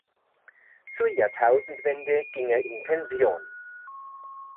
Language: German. Zur Jahrtausendwende ging er in Pension.